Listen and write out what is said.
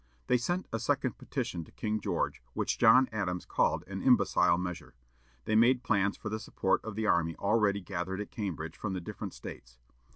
They sent a second petition to King George, which John Adams called an "imbecile measure." They made plans for the support of the army already gathered at Cambridge from the different States.